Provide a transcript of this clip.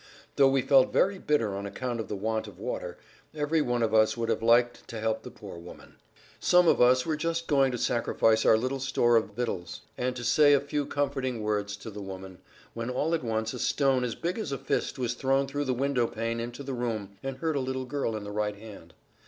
Though we felt very bitter on account of the want of water, every one of us would have liked to help the poor woman. Some of us were just going to sacrifice our little store of victuals and to say a few comforting words to the woman, when all at once a stone as big as a fist was thrown through the window pane into the room and hurt a little girl in the right hand.